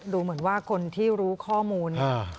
ดูเหมือนว่าคนที่รู้ข้อมูล